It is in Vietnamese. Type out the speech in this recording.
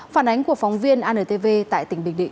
phản ánh của phóng viên antv tại tỉnh bình định